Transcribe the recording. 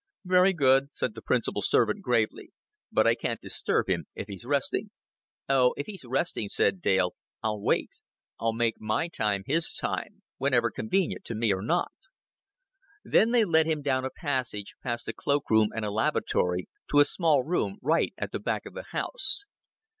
"Very good," said the principal servant gravely. "But I can't disturb him if he's resting." "Oh, if he's resting," said Dale, "I'll wait. I'll make my time his time whether convenient to me or not." Then they led him down a passage, past a cloak room and a lavatory, to a small room right at the back of the house.